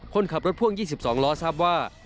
คนขับรถพ่วง๒๒ล้อทราบว่า